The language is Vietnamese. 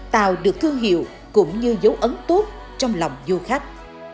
tạo được thương hiệu cũng như dấu ấn tốt trong lòng du khách